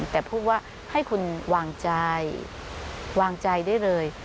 แต่พูดว่าให้คุณวางใจวางใจได้เลย